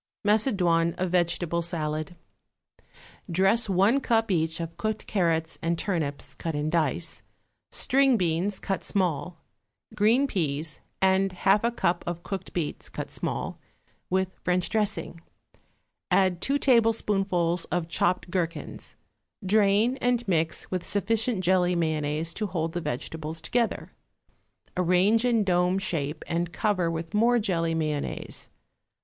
=Macedoine of Vegetable Salad.= Dress one cup, each, of cooked carrots and turnips, cut in dice, string beans, cut small, green peas, and half a cup of cooked beets, cut small, with French dressing; add two tablespoonfuls of chopped gherkins; drain, and mix with sufficient jelly mayonnaise to hold the vegetables together. Arrange in dome shape and cover with more jelly mayonnaise.